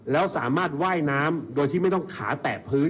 แล้วสามารถว่ายน้ำโดยที่ไม่ต้องขาแตะพื้น